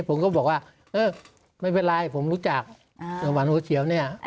ผมก็บอกว่าไม่เป็นไรผมรู้จักโรงพยาบาลหัวเฉียวเนี่ย